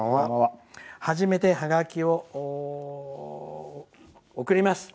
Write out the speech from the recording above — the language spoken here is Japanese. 初めてハガキを送ります。